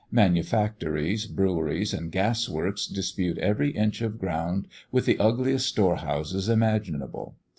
Manufactories, breweries and gas works dispute every inch of ground with the ugliest store houses imaginable.